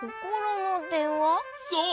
そう。